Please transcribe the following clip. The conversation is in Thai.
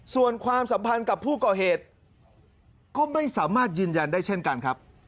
ส่วนความสัมพันธ์กับผู้ก่อเหตุก็ไม่สามารถยืนยันได้เช่นกันครับ